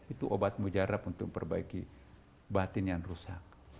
itu obat mujarab untuk memperbaiki batin yang rusak